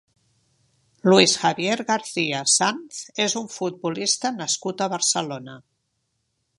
Luis Javier García Sanz és un futbolista nascut a Barcelona.